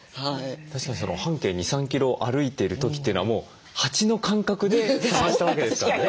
確かに半径２３キロを歩いている時というのはもう蜂の感覚で探したわけですからね。